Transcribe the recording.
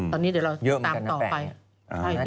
ตอนนี้เดี๋ยวเราตามต่อไป